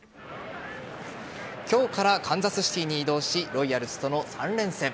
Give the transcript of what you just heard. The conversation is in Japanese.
今日からカンザスシティーに移動しロイヤルズとの３連戦。